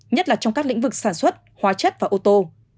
nhất là trong các lĩnh vực sản xuất hóa chất và ô tô